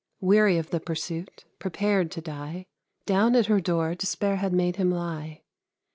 Weary of the pursuit, prepared to die, Down at her door despair had made him lie.